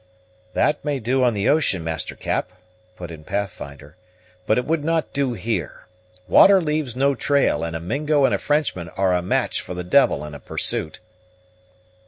"That may do on the ocean, Master Cap," put in Pathfinder, "but it would not do here. Water leaves no trail, and a Mingo and a Frenchman are a match for the devil in a pursuit."